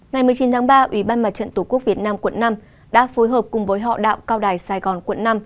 ngày một mươi chín tháng ba ủy ban mặt trận tổ quốc việt nam quận năm đã phối hợp cùng với họ đạo cao đài sài gòn quận năm